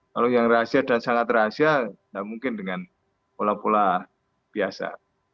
kalau yang rahasia dan sangat rahasia tidak mungkin dengan pola pola biasa